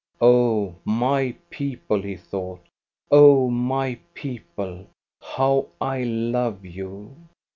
"Oh, my people," he thought, "oh, my people, how I love you!"